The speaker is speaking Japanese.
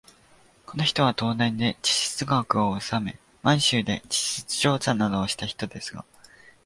この人は東大で地質学をおさめ、満州で地質調査などをした人ですが、